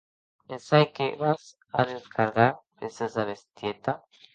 Me’n sai de qué vas a descargar, preciosa bestieta.